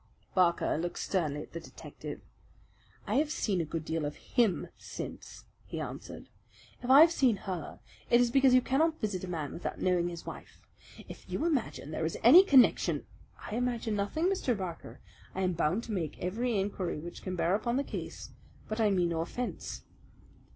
Barker looked sternly at the detective. "I have seen a good deal of HIM since," he answered. "If I have seen her, it is because you cannot visit a man without knowing his wife. If you imagine there is any connection " "I imagine nothing, Mr. Barker. I am bound to make every inquiry which can bear upon the case. But I mean no offense."